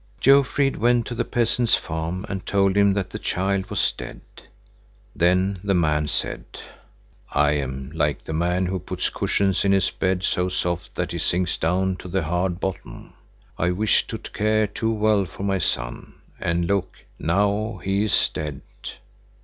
Jofrid went to the peasant's farm and told him that the child was dead. Then the man said: "I am like the man who puts cushions in his bed so soft that he sinks down to the hard bottom. I wished to care too well for my son, and look, now he is dead!"